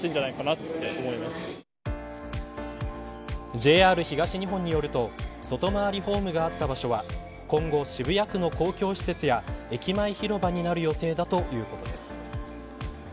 ＪＲ東日本によると外回りホームがあった場所は今後、渋谷区の公共施設や駅前広場になる予定だということです。